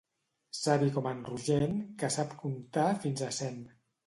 Savi com en Rogent, que sap comptar fins a cent.